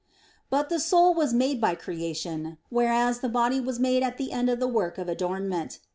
But the soul was made by creation; whereas the body was made at the end of the work of adornment.